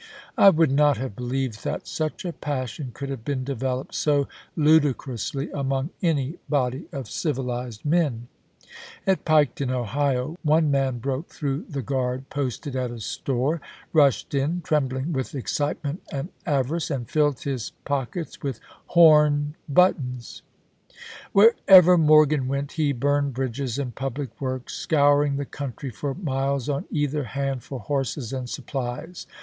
I would not have beheved that such a passion could have been developed so ludicrously among any body of civihzed men. At Piketon, Ohio, one man broke through the guard Duke, posted at a store, rushed in, trembling with excite ofMorSs ment and avaidce, and filled his pockets with horn Cavalry," , p. 437. buttons." Wherever Morgan went he burned bridges and public works, scouring the country for miles on either hand, for horses and supplies.